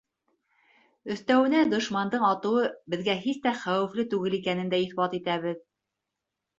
Өҫтәүенә, дошмандың атыуы беҙгә һис тә хәүефле түгел икәнен дә иҫбат итәбеҙ.